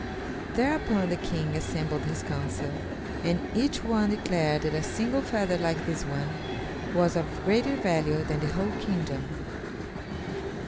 Thereupon the King assembled his council, and each one declared that a single feather like this one was of greater value than the whole kingdom.